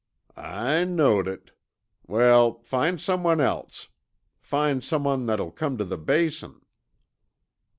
"I knowed it. Well, find someone else! Find someone that'll come tuh the Basin."